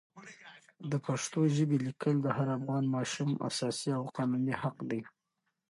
د پښتو ژبې لیکل د هر افغان ماشوم اساسي او قانوني حق دی.